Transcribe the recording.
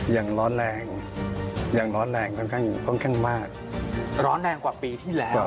อย่างร้อนแรงยังร้อนแรงค่อนข้างค่อนข้างมากร้อนแรงกว่าปีที่แล้ว